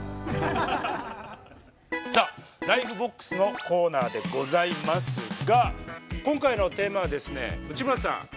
さあ「ＬＩＦＥ！ＢＯＸ」のコーナーでございますが今回のテーマはですね内村さん